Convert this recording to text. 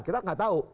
kita nggak tahu